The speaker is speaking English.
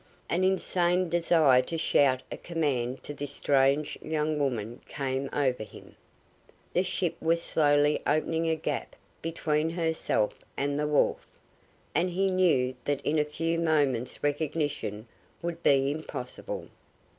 An insane desire to shout a command to this strange young woman came over him. The ship was slowly opening a gap between herself and the wharf, and he knew that in a few moments recognition would be impossible.